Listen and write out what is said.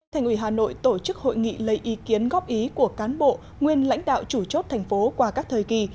thành ủy hà nội tổ chức hội nghị lấy ý kiến góp ý của cán bộ nguyên lãnh đạo chủ chốt thành phố qua các thời kỳ